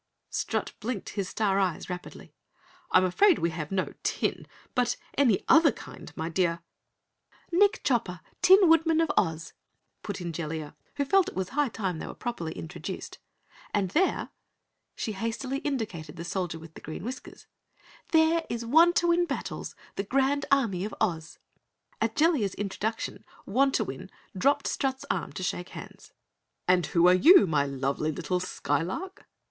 Strut blinked his star eyes rapidly. "I'm afraid we have no tin, but any other kind, my dear " "Nick Chopper, Tin Woodman of Oz," put in Jellia, who felt it was high time they were properly introduced. "And there " She hastily indicated the Soldier with Green Whiskers "There is Wantowin Battles, the Grand Army of Oz!" At Jellia's introduction, Wantowin dropped Strut's arm to shake hands. "And who are you, my lively little Skylark?"